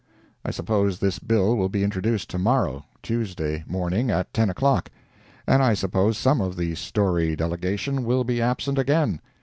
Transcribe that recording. I suppose this bill will be introduced to morrow (Tuesday) morning, at 10 o'clock—and I suppose some of the Storey delegation will be absent again.